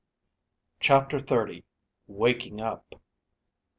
CHAPTER THIRTY. WAKING UP.